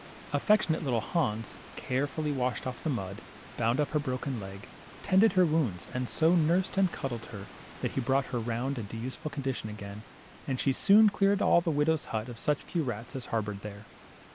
Affectionate little Hans care 26 LITTLE HANS. fully washed off ,the mud, bound up her broken leg, tended her wounds, and so nursed and 'cuddled her that he brought her round into useful condition again, and she soon cleared the widow's hut of such few rats as harbored there.